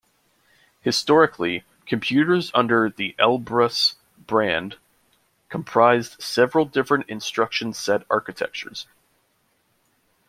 Historically, computers under the "Elbrus" brand comprised several different instruction set architectures.